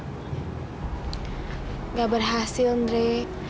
nggak berhasil andre